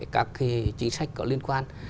các cái chính sách có liên quan